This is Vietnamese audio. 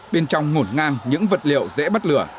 bên trong ngổn ngang những vật liệu dễ bắt lửa